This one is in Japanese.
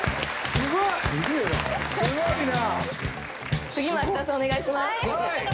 すごいな！